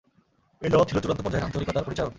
এ জবাব ছিল চূড়ান্ত পর্যায়ের আন্তরিকতার পরিচায়ক।